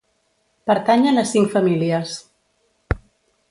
Pertanyen a cinc famílies.